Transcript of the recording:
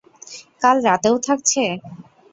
কাল রাতে ও থাকছে?